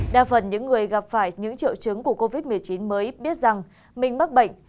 đa phần những người gặp phải những triệu chứng của covid một mươi chín mới biết rằng mình mắc bệnh